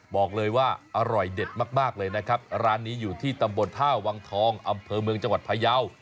บอกเลยว่าอร่อยเด็ดมากเลยนะครับร้านนี้อยู่ที่ตำบลท่าวังทองอำเภอเมืองจังหวัดพยาว